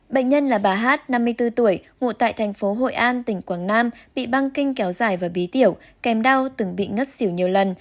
bệnh nhân là bà hát năm mươi bốn tuổi ngụ tại thành phố hội an tỉnh quảng nam bị băng kinh kéo dài và bí tiểu kèm đau từng bị ngất xỉu nhiều lần